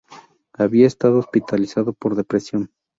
Había estado hospitalizado por depresión.